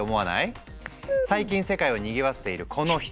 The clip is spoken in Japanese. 最近世界をにぎわせているこの人。